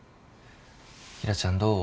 紀來ちゃんどう？